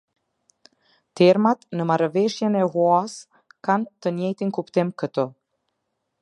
Termat në Marrëveshjen e Huasë kanë të njëjtin kuptim këtu.